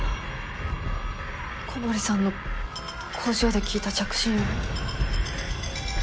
古堀さんの工場で聞いた着信音。